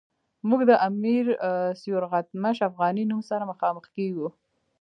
موږ د امیر سیورغتمش افغانی نوم سره مخامخ کیږو.